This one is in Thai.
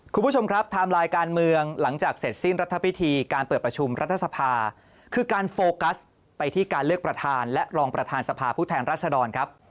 คุณผู้ชมครับไทม์ไลน์การเมืองหลังจากเสร็จสิ้นรัฐพิธีการเปิดประชุมรัฐสภาคือการโฟกัสไปที่การเลือกประธานและรองประธานสภาผู้แทนรัศดรครับ